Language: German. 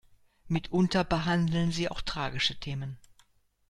Mitunter behandeln sie auch tragische Themen.